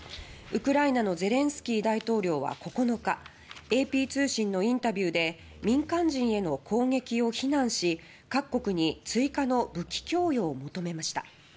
ウクライナのゼレンスキー大統領は９日ＡＰ通信のインタビューで民間人への攻撃を非難し各国に追加の武器供与を求めました。